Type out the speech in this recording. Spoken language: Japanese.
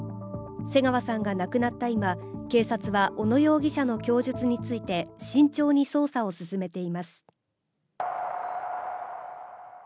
瀬川さんが亡くなった今、警察は小野容疑者の供述について、慎重に捜査を進めています。